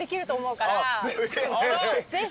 ぜひ。